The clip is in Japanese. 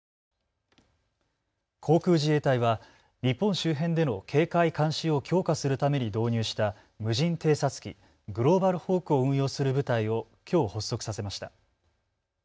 航空自衛隊は日本周辺での警戒監視を強化するために導入した無人偵察機、グローバルホークを運用する部隊をきょう発足させました。